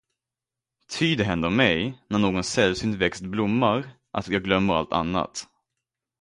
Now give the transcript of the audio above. Ty det händer mig, när någon sällsynt växt blommar, att jag glömmer allt annat.